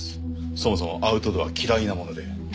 そもそもアウトドア嫌いなもので。